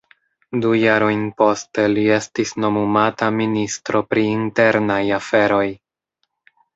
Du jarojn poste li estis nomumata Ministro pri Internaj Aferoj.